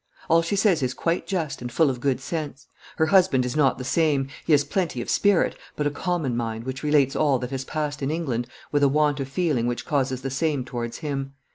All she says is quite just and full of good sense. Her husband is not the same; he has plenty of spirit, but a common mind which relates all that has passed in England with a want of feeling which causes the same towards him.